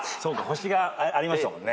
星がありましたもんね。